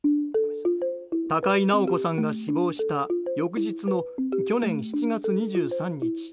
高井直子さんが死亡した翌日の去年７月２３日。